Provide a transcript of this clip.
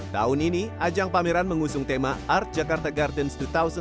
tahun ini ajang pameran mengusung tema art jakarta gardens dua ribu dua puluh dua